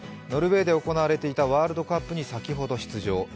ノルウェーで行われていたワールドカップに先ほど出場。